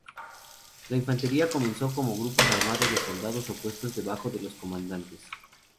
La infantería comenzó como grupos armados de soldados opuestos debajo de los comandantes.